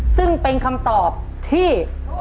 ซึ่งเป็นคำตอบที่